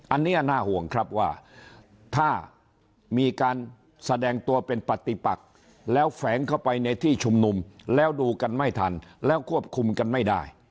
อันนี้น่าห่วงครับว่าถ้ามีการแสดงตัวเป็นปฏิปักแล้วแฝงเข้าไปในที่ชุมนุมแล้วดูกันไม่ทันแล้วควบคุมกันไม่ได้